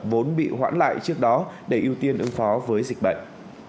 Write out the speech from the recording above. vốn bị hoãn lại trước đó để ưu tiên ứng phó với dịch bệnh